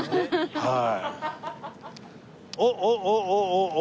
はい。